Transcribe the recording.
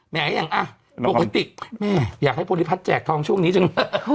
แหมอย่างโปรโกติกอยากให้บริพัฒน์แจกทองช่วงนี้จริง